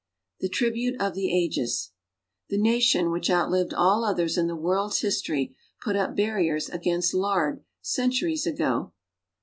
THE TRIBUTE OF THE AGES The nation which outlived all others in the world's history put up barriers against lard centuries ago.